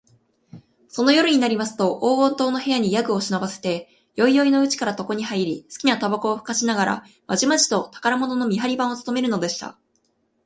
その夜になりますと、黄金塔の部屋に夜具を運ばせて、宵よいのうちから床にはいり、すきなたばこをふかしながら、まじまじと宝物の見はり番をつとめるのでした。